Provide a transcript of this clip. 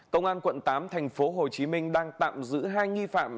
công an quận tám thành phố hồ chí minh đang tạm giữ hai nghi phạm